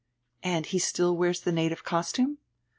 "And he still wears the native costume?"